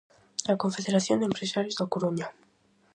A Confederación de Empresarios da Coruña.